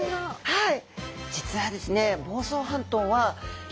はい。